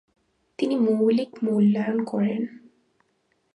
তিনি মৌলিক মূল্যায়ন করেন।